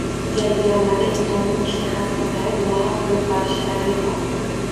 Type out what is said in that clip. Jaziramada insonning ishtahasi pasayib, lohas boʻlib borishi tabiiy hol.